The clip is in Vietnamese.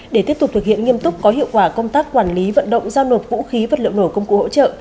để tiếp tục thực hiện nghiêm túc có hiệu quả công tác quản lý vận động giao nộp vũ khí vật liệu nổ công cụ hỗ trợ